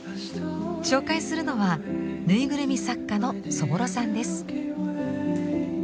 紹介するのはぬいぐるみ作家のそぼろさんです。